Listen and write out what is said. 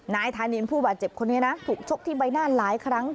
นายธานินผู้บาดเจ็บคนนี้นะถูกชกที่ใบหน้าหลายครั้ง